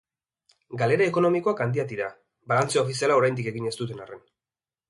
Galera ekonomikoak handiak dira, balantze ofiziala oraindik egin ez duten arren.